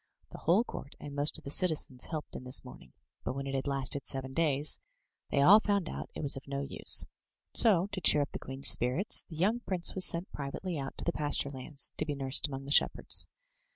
The whole court and most of the citizens helped in this mourning, but when it had lasted seven days they all found out it was of no use. So to cheer up the queen's spirits, the young prince was sent privately out to the pasture lands, to be nursed among the shepherds.